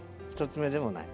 １つ目でもない。